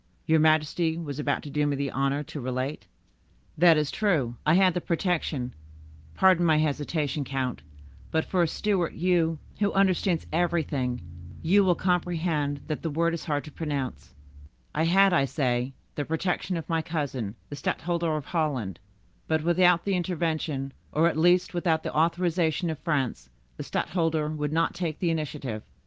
Your majesty was about to do me the honor to relate—" "That is true, I had the protection,—pardon my hesitation, count, but, for a Stuart, you, who understand everything, you will comprehend that the word is hard to pronounce;—I had, I say, the protection of my cousin the stadtholder of Holland; but without the intervention, or at least without the authorization of France, the stadtholder would not take the initiative.